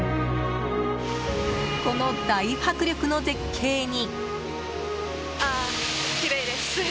この大迫力の絶景に。